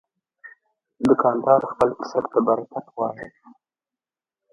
دوکاندار خپل کسب ته برکت غواړي.